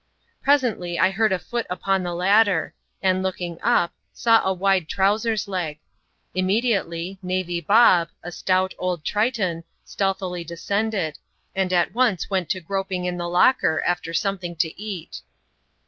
Presently I heard a foot upon the ladder, and, looking up, saw a wide trowsers* leg. Inmiediately, Navy Bob, a stout, old Triton, stealthily descended, and at once went to groping in the locker after something to eat.